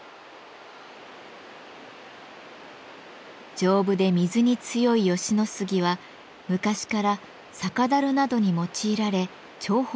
丈夫で水に強い吉野杉は昔から酒樽などに用いられ重宝されてきました。